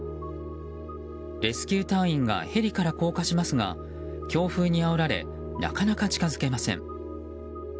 レスキュー隊員がヘリから降下しますが強風にあおられなかなか近づけません。